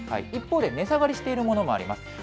一方で値下がりしてるものもあります。